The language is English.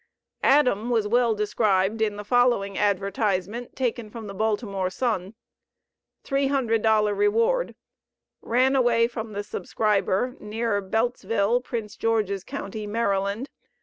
Adam was well described in the following advertisement taken from the Baltimore Sun: $300 REWARD. Ran away from the subscriber, near Beltsville, Prince George's county, Md.